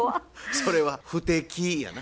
それは不敵やな。